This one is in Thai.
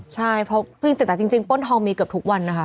ใช่เพราะจริงป้นทองมีกับทุกวันนะคะ